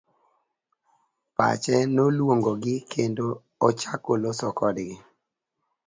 Pache noluong'o gi kendo ochako loso kodgi.